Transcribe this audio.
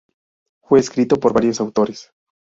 Fue escrito por varios autores.